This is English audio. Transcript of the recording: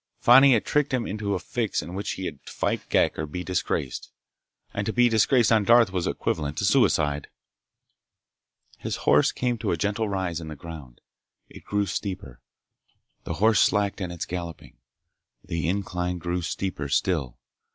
Fani had tricked him into a fix in which he had to fight Ghek or be disgraced—and to be disgraced on Darth was equivalent to suicide. His horse came to a gentle rise in the ground. It grew steeper. The horse slacked in its galloping. The incline grew steeper still.